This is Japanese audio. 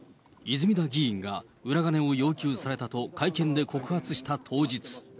泉田議員が、裏金を要求されたと会見で告発した当日。